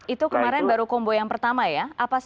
itu kemarin baru kombo yang pertama ya